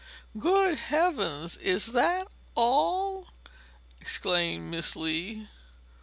"Good heavens! Is that all?" exclaimed Miss Lee.